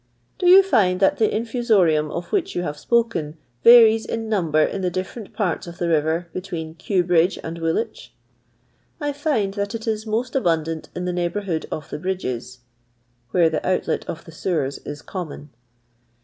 " Do you find that the infusorium of which you have spoken varies in number in the different parts of the river between Eew Bridge and Woolwich ]" "I find that it is most abundant in the neighbourhood of the bridges." [Where the outlet of the sewers is common.